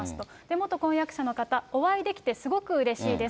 元婚約者の方、お会いできてすごくうれしいです。